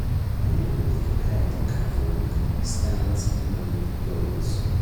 A woman with a head covering stands among goats.